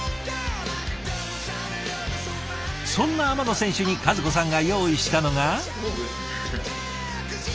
そんな天野選手に和子さんが用意したのが。